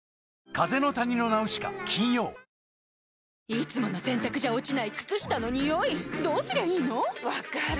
いつもの洗たくじゃ落ちない靴下のニオイどうすりゃいいの⁉分かる。